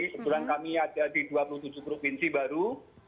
kebetulan kami ada di dua puluh tujuh provinsi baru